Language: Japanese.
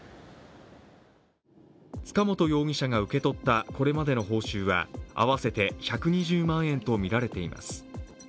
塚本容疑者が受け取ったこれまでの報酬は合わせて１２０万円とみられています。